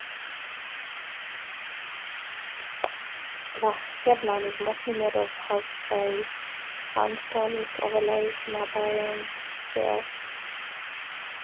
The headland is mostly made up of Hawkesbury sandstone which overlays Narrabeen shale.